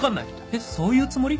えっそういうつもり？